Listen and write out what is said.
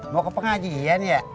mau ke pengajian ya